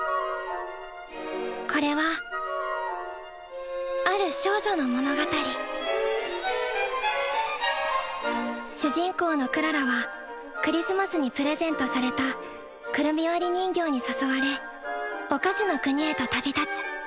これはある少女の物語主人公のクララはクリスマスにプレゼントされたくるみ割り人形に誘われお菓子の国へと旅立つ。